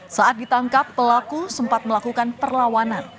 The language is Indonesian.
saat ditangkap pelaku sempat melakukan perlawanan